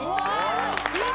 うわ。